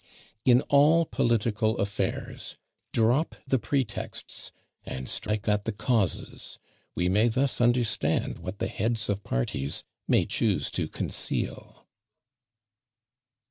In all political affairs drop the pretexts and strike at the causes; we may thus understand what the heads of parties may choose to conceal.